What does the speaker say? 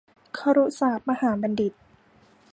ครุศาสตร์มหาบัณฑิต